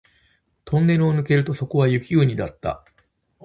トンネルを抜けるとそこは雪国だった